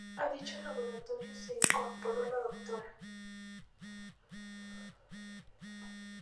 A dicho laboratorio se incorporó la Dra.